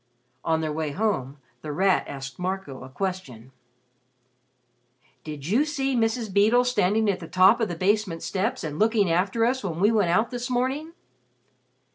On their way home, The Rat asked Marco a question. "Did you see Mrs. Beedle standing at the top of the basement steps and looking after us when we went out this morning?"